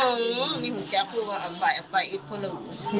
เออไม่รู้จักเพิ่มมาเอาไปเอาไปเอ็ดพลึก